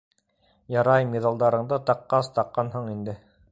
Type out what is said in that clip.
Ярай, миҙалдарыңды таҡҡас таҡҡанһың инде.